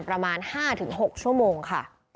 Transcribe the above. ประมาณ๕๖ชั่วโมงค่ะ